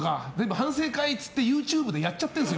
反省会って言ってＹｏｕＴｕｂｅでやっちゃってるんですよ